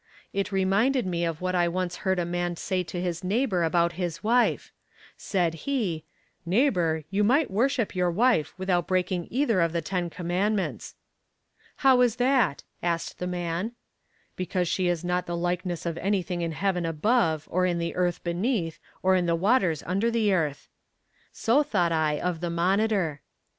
It reminded me of what I once heard a man say to his neighbor about his wife; said he, "Neighbor, you might worship your wife without breaking either of the ten commandments." "How is that?" asked the man; "Because she is not the likeness of anything in heaven above, or in the earth beneath, or in the waters under the earth." So thought I of the Monitor.